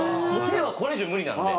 手はこれ以上無理なんで。